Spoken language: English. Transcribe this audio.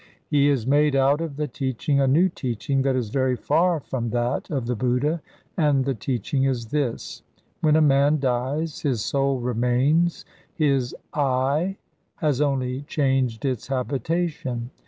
He has made out of the teaching a new teaching that is very far from that of the Buddha, and the teaching is this: When a man dies his soul remains, his 'I' has only changed its habitation.